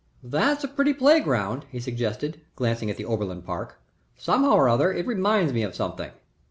"That's a pretty playground," he suggested, glancing at the Oberlin Park. "Somehow or other, it reminds me of something."